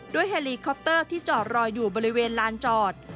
เฮลีคอปเตอร์ที่จอดรออยู่บริเวณลานจอด